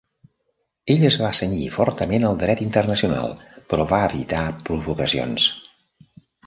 Ell es va cenyir fortament al dret internacional, però va evitar provocacions.